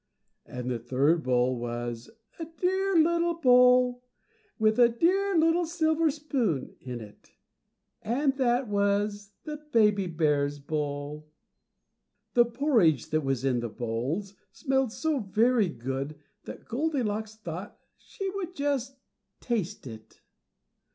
And the third bowl was a dear little bowl, with a dear little silver spoon in it, and that was the baby bear's bowl. The porridge that was in the bowls smelled so very good that Goldilocks thought she would just taste it.